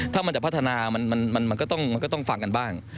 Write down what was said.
ถ้ามันจะพัฒนามันก็ต้องฟังกันบ้าง